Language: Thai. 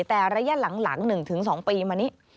แต่ระยะหลัง๑๒ปีมานี้